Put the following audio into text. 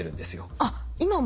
あっ今も。